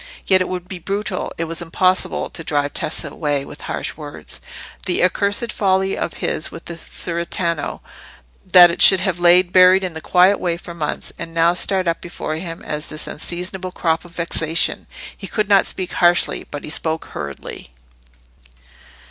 Yet it would be brutal—it was impossible—to drive Tessa away with harsh words. That accursed folly of his with the cerretano—that it should have lain buried in a quiet way for months, and now start up before him as this unseasonable crop of vexation! He could not speak harshly, but he spoke hurriedly.